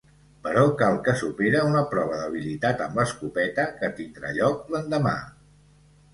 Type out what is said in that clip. Però cal que supere una prova d'habilitat amb l'escopeta, que tindrà lloc l'endemà.